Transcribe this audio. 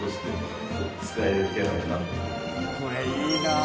これいいなあ。